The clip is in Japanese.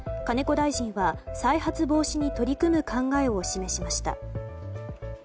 金子大臣は再発防止に取り組む考えを示しました。